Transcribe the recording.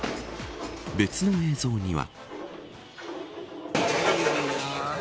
別の映像には。